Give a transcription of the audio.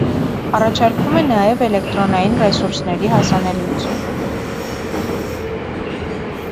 Առաջարկվում է նաև էլեկտրոնային ռեսուրսների հասանելիություն։